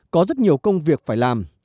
có rất nhiều công việc phải làm